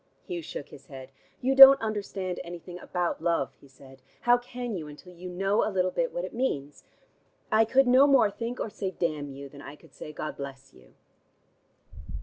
Hugh shook his head. "You don't understand anything about love," he said. "How can you until you know a little bit what it means? I could no more think or say 'Damn you,' than I could say 'God bless you.'"